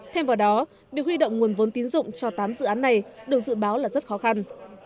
thêm vào đó việc huy động nguồn vốn tín dụng cho tám dự án này được dự báo là rất khó khăn